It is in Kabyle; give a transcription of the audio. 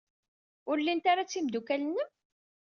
Ur llint ara d timeddukal-nnem?